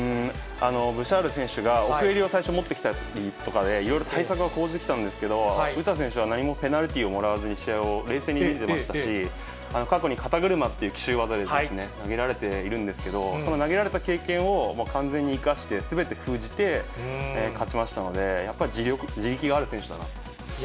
ブシャール選手が奥襟を最初持ってきたときとかで、いろいろ対策は講じてきたんですけれども、詩選手は何もペナルティーをもらわずに、試合を冷静にできてましたし、過去に肩車っていう奇襲技で投げられているんですけれども、その投げられた経験を完全に生かして、すべて封じて、勝ちましたので、やっぱり自力がある選手だなと思いました。